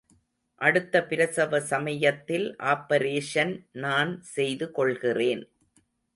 அடுத்த பிரசவ சமயத்தில் ஆப்பரேஷன் நான் செய்து கொள்கிறேன்.